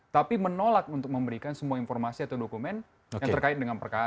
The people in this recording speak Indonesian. tapi menolak untuk memberikan semua informasi atau dokumen yang terkait dengan perkara